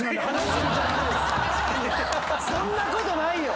絶対そんなことない！